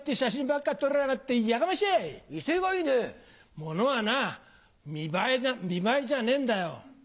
ものはな見栄えじゃねえんだよ。